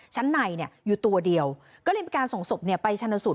ชั้นในอยู่ตัวเดียวก็เลยมีการส่งศพไปชนสูตร